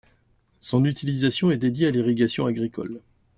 Son utilisation est dédiée à l'irrigation agricole.